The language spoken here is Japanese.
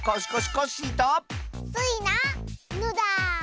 スイなのだ。